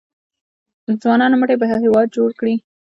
د ځوانانو مټې به هیواد جوړ کړي؟